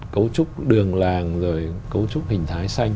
cấu trúc đường làng rồi cấu trúc hình thái xanh